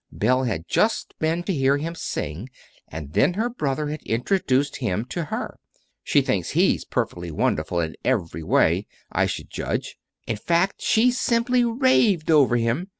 Belle had just been to hear him sing, and then her brother had introduced him to her. She thinks he's perfectly wonderful, in every way, I should judge. In fact, she simply raved over him.